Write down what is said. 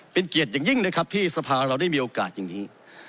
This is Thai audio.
เป็นเกียรติอย่างยิ่งนะครับที่สภาเราได้มีโอกาสอย่างนี้